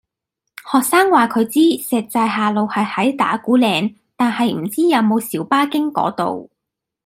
學生話佢知石寨下路係喺打鼓嶺，但係唔知有冇小巴經嗰度